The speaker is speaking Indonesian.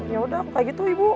yaudah bukan gitu ibu